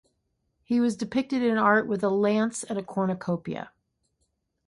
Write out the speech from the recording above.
He was depicted in art with a lance and a cornucopia.